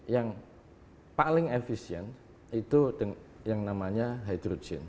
yang paling efisien itu yang namanya hydrogen